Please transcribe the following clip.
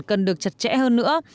cần được chặt chẽ hơn nữa